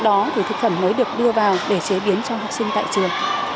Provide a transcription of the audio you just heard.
đó thì thực phẩm mới được đưa vào để chế biến cho học sinh tại trường